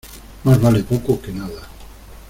Más vale poco que nada.